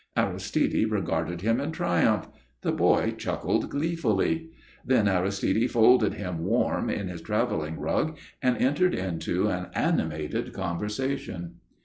Aristide regarded him in triumph. The boy chuckled gleefully. Then Aristide folded him warm in his travelling rug and entered into an animated conversation.